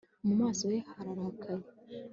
Mu maso he harakaye